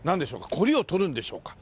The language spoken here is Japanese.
こりを取るんでしょうか？